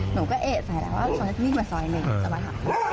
หนูก็เอ๋ใส่แล้วว่ากินไปซอย๑เดี๋ยวจะมาหาสอยที่เอ็ด